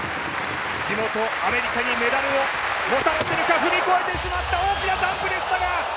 地元アメリカにメダルをもたらせるか、踏み越えてしまった、大きなチャンスでしたが。